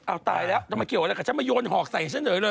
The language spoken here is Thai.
อ้าวตายแล้วจะมาเกี่ยวกับอะไรกับฉันอ่ะไม่โยนหอกใส่ฉันเลย